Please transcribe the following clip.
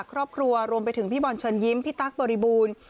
รวมไปถึงพี่บอลเชิญยิ้มพี่ตั๊กบริบูรณ์